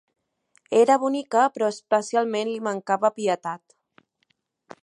Era bonica, però especialment li mancava pietat.